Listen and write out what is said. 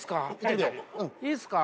いいですか？